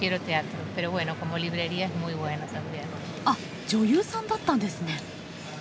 あっ女優さんだったんですね！